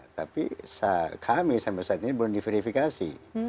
tapi kami sampai saat ini belum diverifikasi